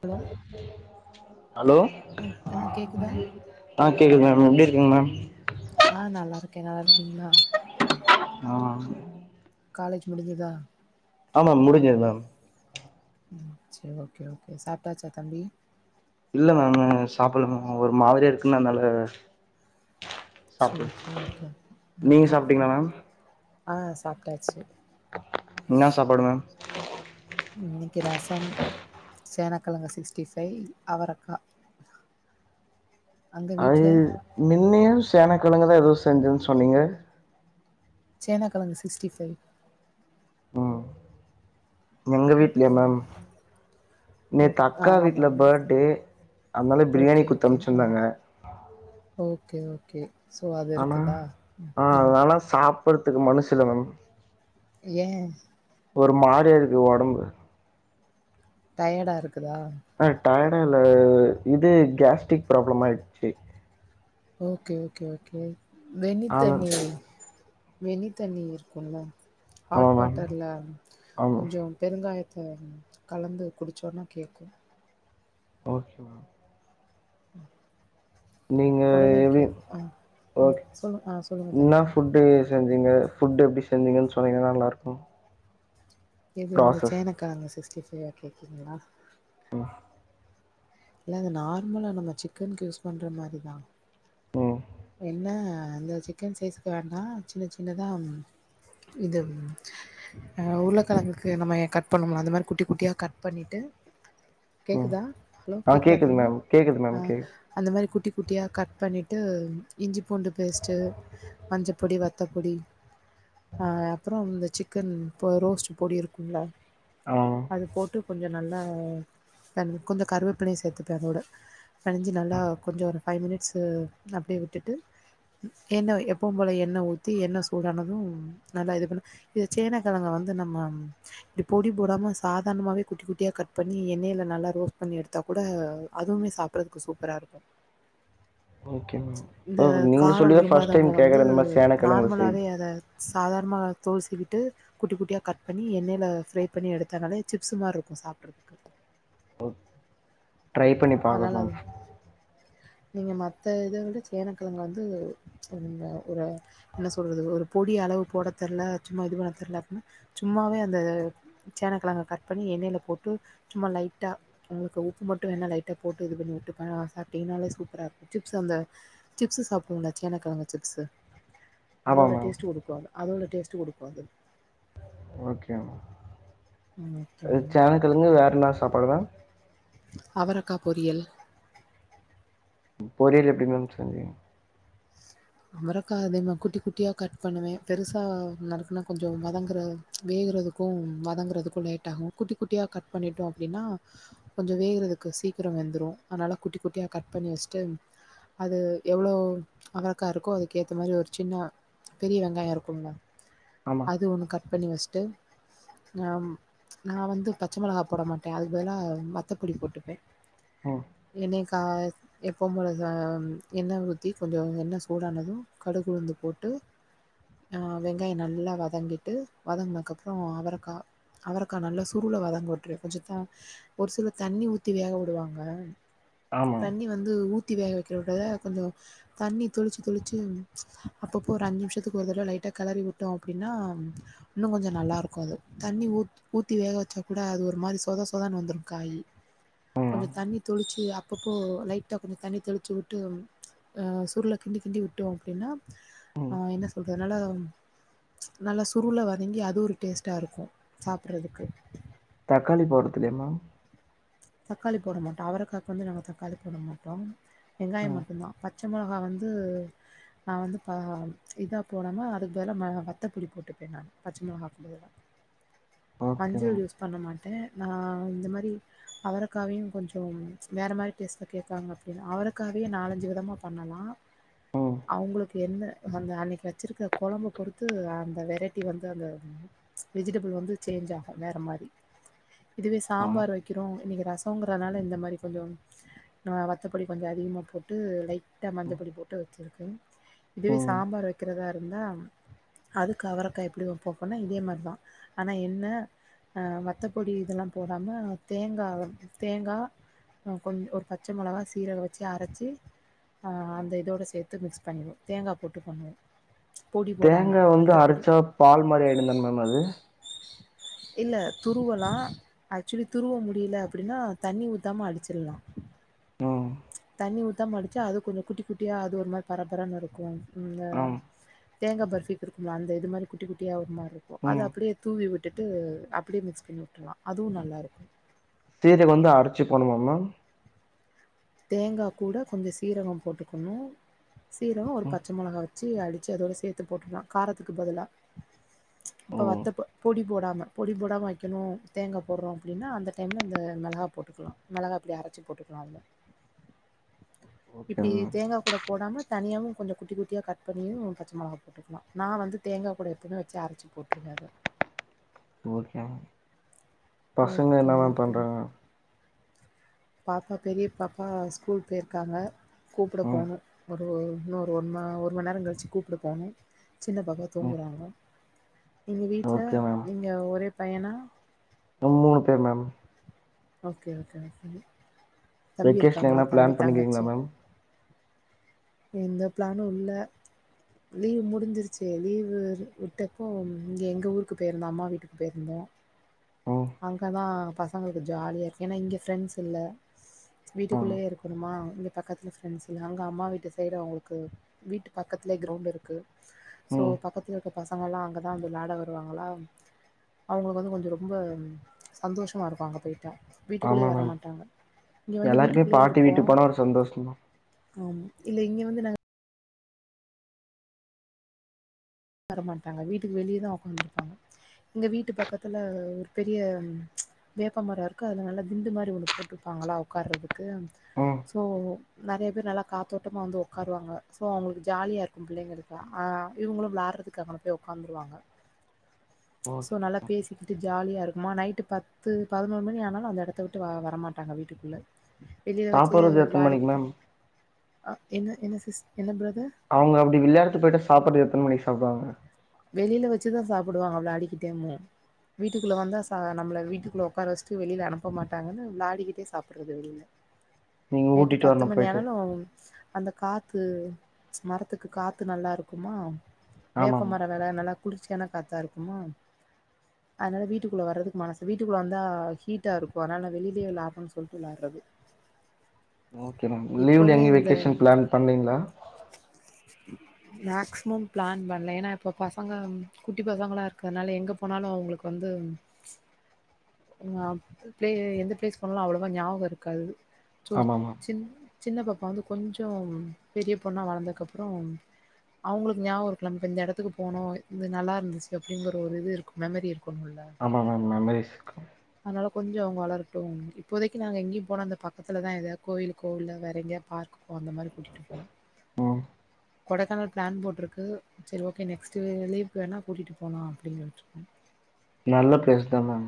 Hello hello ஆ ஆ கேக்குதா ஆ கேக்து மேம் எங்க இருக்கிங்க மேம் ஆ நல்லா இருக்கே நல்லா இருக்கீங்களா ஆ காலேஜ் முடிஞ்சுதா ஆமா முடிஞ்சுது மேம் சரி ஓகே ஓகே சாப்ட்டாச்சா தம்பி இல்ல மேம் சாப்பிடல மேம் ஒரு மாதிரா இருக்குன்னா அதனால சாப்பல்ல சேரி சேரி ஓகே நீங்க ஓகே கே சாப்ட்டீங்களா மேம் ஆ சாப்ட்டாச்சு என்ன சாப்பாடு மேம் இன்னைக்கு ரசம் சேனாக்கிழங்கு சிக்ஸ்டி ஃபைவ் அவரக்கா அங்க அது வீட்ல முழுமையான சேனக்கிழங்கு தா எதவு செஞ்சன்னு சொன்னீங்க சேன கிழங்கு சிக்ஸ்டி ஃபை ம் எங்க வீட்லயா மேம் ஓ நேத்து ஆ அக்கா ஆமா வீட்ல பர்த்டே அதனால ஓகே பிரியாணி ஓகே ஆ குத்தமிச்சுருந்தாங்க ஓகே ஓகே சோ அது இருக்குதா ம் ஆ சாப்புட்றதுக்கு மனுசுல்ல மேம் ஏன் ஒரு மாரியா இருக்கு ஒடம்பு டயர்டா இருக்குதா ஆ டயர்டா இல்ல இது கேஸ்ட்ரிக் ப்ராப்ளம் ஆயிட்ச்சு ஓகே ஓகே ஓகே வெந்நீ ஆ மேம் தண்ணி வெந்நீ தண்ணி இருக்கும்ல ஆமா ஹாட் மேம் வாட்டர்ல ஆமா கொஞ்சோம் பெருங்காயத்த கலந்து குடிச்சோன்னா கேக்கும் ஓகே மேம் ம் நீங்க ஒடனே எப்டி கேக் ஆ ம் சொல்லு ஆ சொல்லுங்க தோழி செஞ்சிங்க ஃபுட் எப்டி செஞ்சீங்கன்னு சொன்னீங்கன்னா நல்லா இருக்கும் இது வந்து சேனக்கழங்க சிக்ஸ்டி ஃபைவா கேக்குறீங்களா [unintelligible] இல்ல அது நார்மலா நம்ம சிக்கனுக்கு யூஸ் பண்ற மாரிதா ம் இல்ல இந்த சிக்கன் சைஸ்க்கு வேண்டா சின்ன சின்னதா இது அ உருளக்கழங்குக்கு நம்ம ஏ கட் பண்ணோம்லா அந்த மாரி குட்டி குட்டியா கட் பண்ணிட்டு ம் கேக்குதா ஹலோ ஆ கேக்குதா கேக்குது தம்பி மேம் கேக்குது மேம் ஆ கேக்குது அந்த மாரி குட்டி குட்டியா கட் பண்ணிட்டு இஞ்சி பூண்டு பேஸ்ட்டு மஞ்சப்பொடி வத்தப்பொடி அ அப்புறோம் இந்த சிக்கன் இப்ப ரோஸ்ட்டு பொடி இருக்கும்ல்ல ஆ அது போட்டு கொஞ்சோ நல்லா அண் கொஞ்சோ கருவேப்பிலையு சேத்துப்பேன் அதோட பெனஞ்சி நல்லா கொஞ்சோ ஒரு ஃபை மினிட்ஸு அப்டியே விட்டுட்டு எண்ணெ எப்பவு போல எண்ணெ ஊத்தி எண்ணெ சூடானதும் நல்லா இது பண்ணு இது சேனக்கழங்க வந்து நம்ம ம் இப்டி பொடி போடாம சாதாரணமாவே குட்டி குட்டியா கட் பண்ணி எண்ணெயில நல்லா ரோஸ்ட் பண்ணி எடுத்தா கூட அதுவுமே சாப் ப்புட்றதுக்கு சூப்பரா இருக்கும் ஓகே மேம் இந்த ஓ நீங்க காரோ சொல்லிதா ஃபர்ஸ்ட் டைம் விரும்பாதவங்க வந்து கேக்குற இந்த மாரி சேனக்கெழங்கு செய் நார்மலாவே அத சாதாரணமா தோல் சீவிட்டு குட்டி குட்டியா கட் பண்ணி எண்ணை ல ஃப்ரை பண்ணி எடுத்தானாலே சிப்ஸ் மார்ருக்கோ சாப்புட்றதுக்கு ஓ [unintelligible] நீங்க மத்த இத விட சேனக்கழங்க வந்து ஒரு ம ஒரு என்ன சொல்றது ஒரு பொடி அளவு போட தெர்ல சும்மா இது பண்ண தெர்ல அப்புட்ன்னா சும்மாவே அந்த சேனக்கழங்க கட் பண்ணி எண்ணெய் ல போட்டு சும்மா லைட்டா உங்களுக்கு உப்பு மட்டும் வேண் னா லைட் ட்ட போட்டு இது பண்ணி உட்டுப்பே அ சப்ட்டீங்னாலே சூப்பரா இருக்கோ சிப்ஸ் அந்த சிப்ஸு சாப்ட்வோ ல்ல சேனக்கழங்கு சிப்ஸு ஆமா அதோட மேம் டேஸ்ட்டு குடுக்கோ அது அதோட டேஸ்ட்டு குடுக்ககோ அது ஓகே மேம் ம் இது ஓகேங்க சேனக்கழுங்கு வேற என்ன சாப்பாடு மேம் அவரக்கா பொரியல் ம் பொரியல் எப்டி மேம் சொஞ்சிங் [inaudible] மரக்கா அதிம குட்டி குட்டியா கட் பண்ணுவே பெருசா நருக்குனா கொஞ்சோ வதங்குற வேகறதுக்கு வதங்குறதுக்கு லேட் ஆகு குட்டி குட்டியா கட் பண்ணிட்டோ அப்டின்னா கொஞ்சோ வேகறதுக்கு சீக்கிரோ வெந்துரு அதனால குட்டி குட்டியா கட் பண்ணி வச்ட்டு அது எவ்ளோ அவரக்கா இருக்கோ அதுக்கேத்த மாரி ஒரு சின்ன பெரிய வெங்காயோ இருக்குலா ஆமா அது ஒண்ணு கட் பண்ணி வச்ட்டு ஆம் நா வந்து பச்சை மொளகா போட மாட்டே அதுக்கு பதுலா வத்தப்பொடி போட்டுப்ப ஓ என்னைக்கா எப்பம் போல தா எண்ண ஊத்தி கொஞ்சோ என்ன சூடானது கடுகுளுந்து போட்டு ஆ வெங்காயோ நல்லா வதங்கிட்டு வதங்கனதுக்கு அப்றோ அவரக்கா அவரக்கா நல்லா சுருள வதங்க உட்டுரு கொஞ்ச தா ஒரு சில தண்ணி ஊத்தி வேக வுடுவாங்க ஆமா தண்ணி வந்து ஊத்தி வேக வக்கிற விட கொஞ்சோ தண்ணி தொளிச்சு தொளிச்சு அப்பப்போ ஒரு அஞ்சு நிமிஷத்துக்கு ஒரு தடவ லைட்டா களறி விட்டோ அப்டின்னா இன்னு கொஞ்சோ நல்லா இருக்கு அது தண்ணி ஊத் ஊத்தி வேக வச்சா கூட அது ஒரு மாறி சொதா சொதான்னு வந்துரு காய் கொஞ்ச ம் தண்ணி தொளிச்சு அப்பப்போ லைட்டா கொஞ்ச தண்ணி தெளிச்சு உட்டு அ சுருள கிண்டி கிண்டி விட்டோ அப்டின்னா ம் என்ன சொல்றது நல்லா நல்ல சுருள வதங்கி அது ஒரு டேஸ்ட்டா இருக்கு சாப்புறதுக்கு தக்காளி போடதுலையமா தக்காளி போட மாட்டோ அவரைக்காக்கு வந்து நாங்க தக்காளி போட மாட்டோம் வெங்காயம் ம் மட்டு தா பச்ச மொளகா வந்து நா வந்து பா இதா போடாம அதுக்கு பதுலா வத்த புளி போட்டுப்ப நானு பச்ச மொளகாக்கு பதுலா ஓகே மேம் மஞ்சள் யூஸ் பண்ண மாட்ட நா இந்த மாறி அவரக்காவையு கொஞ்சோ வேற மாறி டேஸ்ட்டு கேக்காங்க அப்டின்னா அவரக்காவே நாலஞ்சு விதமா பண்ணலா ம் அவங்களுக்கு என்ன அந்த அன்னைக்குவச்சுருக்கற கொழம்ப பொறுத்து அந்த வெரைட்டி வந்து அந்த வெஜிடபிள் வந்து சேஞ்ச் ஆகு வேற மாரி இதுவே ஆ சாம்பார் வைக் வைக்கிறோ இன்னைக்கி ரசங்கறதுனால இந்த மாறி சொல்லுவாங் நா வத்தப்பொடி கொஞ்சோ அதிகமா போட்டு லைட்டா மஞ்ச பொடி போட்டு வச்சிருக்கோ இதுவே ம் சாம்பார் வைக்கிறதா இருந்தா அதுக்கு அவரக்கா எப்டி வப்போ அப்டினா இதே மாரிதா ஆனா என்ன ஆ வத்தப்பொடி இதெல்லா போடாம தேங்கா வந் தேங்காய் கொஞ் ஒரு பச்ச மொளகா சீரக வச்சு அரச்சி ஆ அந்த இதோடு சேத்து மிக்ஸ் பண்ணிர்வோ தேங்கா போட்டு பண்வோ தேங்கா வந்து அரைச்சா பால் மாரி ஆயிடுந்தான மேம் அது இல்ல துருவலா ஆக்சுலி துருவ முடியல அப்டின்னா தண்ணி ஊத்தாம அடிச்சிட்லா ம் தண்ணி ஊத்தாம அடிச்சா அது கொஞ்சோ குட்டி குட்டியா அது ஒரு மாறி பரபர இருக்கு ம்அ ஆம் தேங்கா பஃர்பிக்கு இருக்கும்ல அந்த இது மாறி குட்டியா குட்டியா ஒரு மாறி இருக்கு அது ம் அப்டே தூவி விட்டுட்டு அப்டியே மிக்ஸ் பண்ணி விட்டுர்லா அதுவு நல்லாருக்கு சீவி வந்து அரச்சு போட்னுமா மேம் தேங்கா கூட கொஞ்ச சீரகோ போட்டுக்கணு சீரகோ ஒரு ம் பச்ச மொளகா ச்சு அடிச்சு அதோட சேத்து போட்டுலா காரத்துக்கு பதிலா ஓ இப்ப வத்த பொ பொடி போடாம பொடி போடாம வைக்கணு தேங்கா போடுறோ அப்டின்னா அந்த டைம்ல இந்த மொளகா போட்டுக்கலா மொளகா பொடி அரச்சி போட்டுக்கலா அதுல ஓகே இப்டி மேம் தேங்காய் கூட போடாம தனியாவு கொஞ்சோ குட்டி குட்டியா கட் பண்ணியு பச்ச மொளகா போ ட்டுக்கலா நா வந்து தேங்கா கூட எப்பவுமே வச்சு அரச்சி போட்டுருவே அத ஓஹோ மே பசங்கள் என்ன ஓகேங்க மேம் ஓகேங்க பண்றாங்க பாப்பா பெரிய பாப்பா ஸ்கூல் போய்ருக்காங்க கூப்பட ம் போணு ஒரு இன்னொரு ஒ ஒரு மண் நேரம் கழிச்சு கூப்ட போணு சின்ன பாப்பா ம் தூங்குறாங்க நீங்க வீட்ல ஓகே நீங்க ஒரே பையனா ம் மூணு பேரு மேம் ஓகே ஓகே ஓகே தம்பி வெக்கேஷன் இருக்காங்களா எங்கனா தம்பி பிளான் பண்ணிக்கிறீங்களா தங்கச்சி மேம் எந்த பிளானு இல்ல லீவு முடிஞ்சிருச்சு லீவு விட்டப்போ இங் எங்க ஊருக்கு போயிருந்தோ அம்மா வீட்டுக்கு போயிருந்தோ ம் அங்கதா பசங்களுக்கு ஜாலியாருக்கு ஏன்னா இங்க ஃப்ரெண்ட்ஸ் இல்ல ம் வீட்டுக்குள்ளயே இருக்கணுமா இங்க பக்கத்தில ஃப்ரெண்ட்ஸ் இல்ல அங்கே அம்மா வீட்டு சைடு அவங்களுக்கு வீட்டு பக்கதுலே கிரௌண்டு இருக்கு சோ ம் பக்கத்துலருக்க பசங்களா அங்கதா வந்து விளாட வருவாங்களா அவுங்களுக்கு வந்து கொஞ்சோ ரொம்ப சந்தோஷமாருக்கு அங்க போயிட்டா வீட்டுக்குள்ளே ஆமா மேம் வரமாட்டாங்க இங்க வந்து எல்லாருக்குமே வீட்டுக்குளே பாட்டி இருக்கோ வீட்டுக்கு போனா ஒரு சந்தோஷம் மேம் அ இல்ல இங்க வந்து நாங் வரமாட்டாங்க வீட்டுக்கு வெளியதா உக்காந்துருப்பாங்க எங்க வீட்டு பக்கத்துல ஒரு பெரிய வேப்பமரோருக்கு அதுல நல்லா திண்டு மாரி ஒண்ணு போட்ருப்பாங்களா உக்கார்றதுக்கு ம் சோ நெறைய பேர் நல்லா காத்தோட்டமா வந்து உக்காருவாங்க சோ அவுங்குளுக்கு ஜாலியாருக்கு பிள்ளங்களுக்குலா அ இவுங்குளு விளா அதுக்காக அங்க போய் உக்காந்துருவாங்க ஓ சோ நல்லா பேசிக்கிட்டு ஜாலியாருக்குமா நைட்டு பத்து பதினோரு மணி ஆனாலு அந்த எடத்த விட்டு வ வரமாட்டாங்க வீட்டுக்குள்ள வெளில வச்சு சாப்புட்றது எத்தன மணிக்கு விளாடிகிட்டு மேம் அ என்ன என்ன சிஸ் என்ன ப்ரதர் அவுங்க அப்பிடி விளாடித்து போய்ட்டா சாப்புறது எத்தன மணிக்கு சாப்டுவாங்க வெளில வச்சுதா சாப்புடுவாங்க விளாடிக்கிட்டேமு வீட்டுக்குள்ள வந்தா சா நம்மள வீட்டுக்குள்ள உக்கார வச்டு வெளில அனுப்ப மாட்டாங்கன்னு விளாடிகிட்டே சாப்புறது வெளில நீங்க நைட்டு ஊட்டிட்டு பத்து வரணு மணி போயிட்டு ஆனாலும் அந்த காத்து மரத்துக்கு காத்து நல்லாருக்குமா ஆமா ஆமா வேப்பமரம் வேற நல்லா குளிர்ச்சியான காத்தாருக்குமா அதனால வீட்டுக்குள்ள வர்றதுக்கு மனசு வீட்டுக்குள்ள வந்தா ஹீட்டாருக்கும் அதனால வெளிலே விளாடறோம் சொல்ட்டு விளாட்றது ஓகே மேம் லீவ்ல எங்கேயு இந்த வெக்கேஷன் ப்ளான் பண்ணீங்களா மேக்சிமம் ப்ளான் பண் ல ஏனா இப்ப பசங்க குட்டி பசங்களாருக்கிறதுனால எங்க போனாலு அவுங்குளுக்கு வந்து ஒ பிளே எந்த பிளேஸ் போனாலு அவ்வளவா ஞாபகோருக்காது சோ ஆமா மேம் சின் சின்ன பாப்பா வந்து கொஞ்சோம் பெரிய பொண்ணா வளர்ந்தக்கப்பறம் அவுங்குளுக்கு ஞாபகம் லாம் நம்ம இந்த எடத்துக்கு போனோ இது நல்லாருந்துச்சு அப்பிடிங்ற ஒரு இது இருக்கு மெமரி இருக்கும்ல்ல ஆமா மேம் மெமரீஸ்ஸுக்கு அதனால கொஞ்சோ அவுங்க வளரட்டும் இப்போதைக்கி நாங்க எங்கியும் போனா அந்த பக்கத்துல தான் எதாது கோயில் கோவில்ல வேற எங்கயாது பார்க் கோ அந்த மாரி கூட்டிட்டு போவோம் ம் கொடைக்கானல் ப்ளான் போட்ருக்கு சரி ஓக்கே நெக்ஸ்ட்டு லீவுக்கு வேணா கூட்டிட்டு போலா அப்பிடிங்கிறட்டு நல்ல ப்ளேஸ் தா மேம்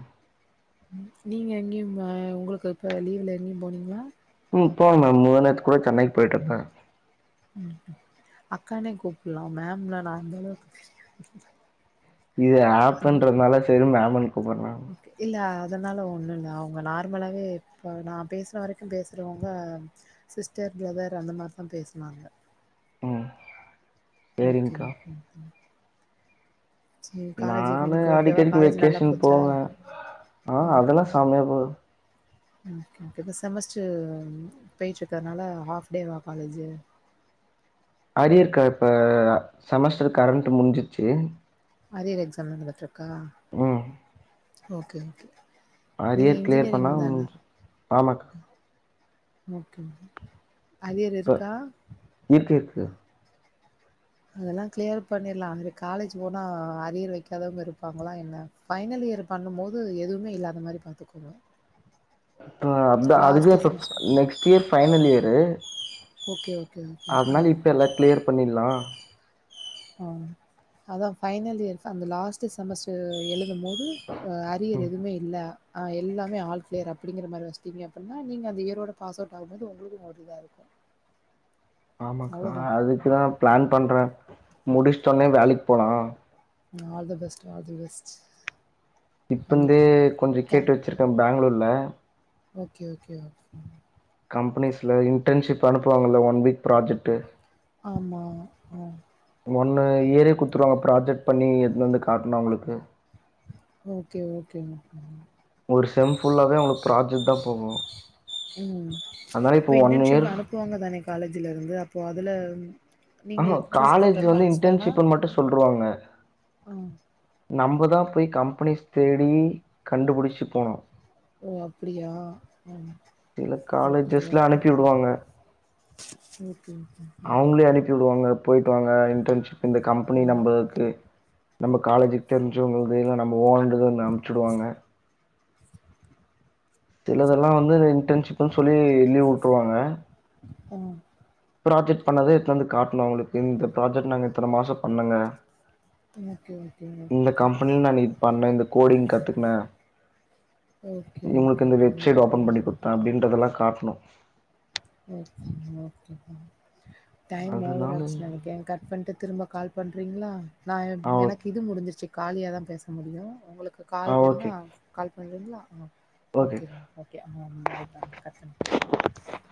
நீங்க எங்கியு ஆ ப உங்குளுக்கு இப்ப லீவ்ல எங்கியும் போனீங்ளா ம் போன மேம் முந்தா நேத்து கூட சென்னைக்கு போயிட்டு வந்தே அக்கானே கூப்புல்லா மேம்லா நா அந்தளவுக்கு பெரியாள்ளே இது ஏப்புன்றதுனால சரின்னு மேம்முன்னு கூப்புட்றே இல்ல அதனால ஒன்னுல்ல அவுங்க நார்மலாவே இப்ப நா பேசுற வரைக்கு பேசுறவுங்க சிஸ்டர் ப்ரதர் அந்த மார்தான பேசுனாங்க ம் ஓக்கே சரிங்க்கா ஓக்கே எப்டி நானு இன்னைக்கு ஓகேவா அடிக்கடிக்கு காலேஜ் நல்லா வெக்கேஷன் போச்சா போவே அ அதெலா செம்மையா போ ஓக்கே ஓக்கே இப்ப செமஸ்டரு பேயிட்ருக்றதுனால ஹாஃப்டேவா காலேஜி அரியர்க்கா இப்ப செமஸ்ட்ரு கரண்ட்டு முடிஞ்சுருச்சி அரியர் எக்ஸாம் நடந்துட்ருக்கா ம் ஓக்கே ஓக்கே நீங்க அரியர் கிளியர் பண்ணா இன்ஜினியரிங்ந்தான முடிஞ்சு. ஆமாக்கா ஓக்கே அரியர் இப்ப இருக்கா இருக்கு இருக்கு அதெலா க்ளியர் பண்ணிருலார அங்க காலேஜ் போனா அரியர் வைக்காதவங்க இருப்பாங்களா என்ன ஃபைனலியர் பண்ணும்போது எதுவுமே இல்லாத மாதிரி பாத்துக்கோங்க இப்ப அதா அதுதா லாஸ்ட்டு இப்ப semester next year final year okay okay okay அதனால இப்ப எல்லா கிளியர் பண்ணிடலா ஆ அதா ஃபைனல் இயர் அந்த லாஸ்ட்டு செமஸ்டர் எழுதும் போது அரியர் எதுவுமே இல்லை ஆ எல்லாமே ஆல் கிளியர் அப்படிங்க மாதிரி வச்சிட்டீங்க அப்படின்னா நீங்க அந்த இயரோட பாஸ் அவுட் ஆகும்பது உங்களுக்கு ஒரு இதா இருக்கு ஆமாக்கா அவ்ளோதா அதுக்குதா பிளான் பண்றே முடிச்சுட்டு ஒடனே வேலைக்கு போலா ஆல்த பெஸ்ட் ஆல்த பெஸ்ட் இப்போந்தே கண்டிப்பா கொஞ்சு கேட்டு வச்சிருக்கே பெங்களூரில்ல ஓக்கே ஓக்கே ஓக்கே கம்பெனிஸில் இன்டன்ஷிப் அனுப்புவாங்கில்ல இ ஒன் வீக் ப்ராஜெக்டு ஆமா ஆ ஒன்னு ஏரியா குடுத்துடுவாங்க ப்ராஜெக்ட் பண்ணி எடுத்துனு வந்து காட்டனுவங்களுக்கு உங்களுக்கு ஓக்கே ஓக்கேங்க ஒரு செம் புஃல்லாவே அவங்களுக்கு ப்ராஜெக்ட் தா போகு ம் அதனால இப்ப இப்போ ஒன் இன்டன்ஷிப் இயர் அனுப்புவாங்க தானே காலேஜ்ல இருந்து அப்போ அதுல ஆ நீங்க ஆ சூஸ் காலேஜ் பண்ற வந்து தானா? இன்டென்ஷிப் மட்டு சொல்ருவாங்க ஆ நம்ம தா போய் கம்பெனிஸ் தேடி கண்டுபிடிச்சி போனும் ஓ அப்படியா சில ஓக்கே காலேஜஸ்ல அனுப்பி ஓக்கே விடுவாங்க ஓக்கே அவங்களே அனுப்பி விடுவாங்க போயிடுவாங்க இன்டன்ஷிப்பு இந்த ஆ கம்பெனி நம்மளுக்கு நம்ம காலேஜுக்கு தெரிஞ்சவங்கள்து இல்லை நம்ம ஓன்றுத அனுப்பச்சிவிடுவாங்க சிலதெல்லாம வந்து இன்டன்ஷிப்ன்னு சொல்லி லீவ் விட்டுருவாங்க ஆ ப்ராஜெக்ட் பண்ணது எத்துனுவந்து காட்டணு அவங்களுக்கு இந்த ப்ராஜெக்ட் நாங்க இத்தன மாசோ பண்ணோங்க ஓகே ஓகே இந்த ஓகே. கம்பெனில நா இது பண்ணே இந்த கோடிங் கத்துக்கனே ஓக்கே ஓக்கே இந்த வெப்சைட் ஓபன் பண்ணி குத்த அப்டின்றதல்லா காட்ணு ஓகேங்க ஓகேங்க டைம் ஓவரா அதனால ஆச்சு நெனைக் கேங் கட் பண்ட்டு திரும்ப கால் பண்றீங்ளா நா எ ஆ ஓகே. எனக்கு இது முடிஞ்சிருச்சு காலியாதா பேச முடியு உங்களுக்கு ஆ கால் வேணுனா ஓகே. கால் பண்றிங்ளா அ ஓகே மா ஓகே அ பாய் பா கட் பண்ணிரு